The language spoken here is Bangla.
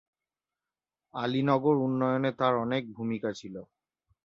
আলীনগর উন্নয়নে তার অনেক ভুমিকা ছিল।